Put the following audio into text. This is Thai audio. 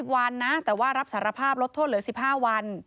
วันนะแต่ว่ารับสารภาพลดโทษเหลือ๑๕วัน